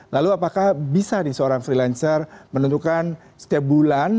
lalu apakah bisa nih seorang freelancer menentukan setiap bulan